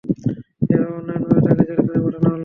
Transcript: এভাবে অন্যায়ভাবে তাকে জেলখানায় পাঠানো হল।